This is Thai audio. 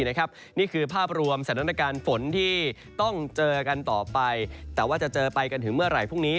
นี่คือภาพรวมสถานการณ์ฝนที่ต้องเจอกันต่อไปแต่ว่าจะเจอไปกันถึงเมื่อไหร่พรุ่งนี้